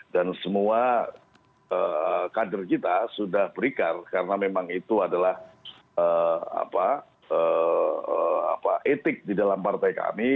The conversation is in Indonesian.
dan semua kader kita sudah berikar karena memang itu adalah etik di dalam partai kami